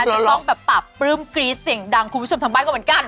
จะต้องแบบปราบปลื้มกรี๊ดเสียงดังคุณผู้ชมทางบ้านก็เหมือนกัน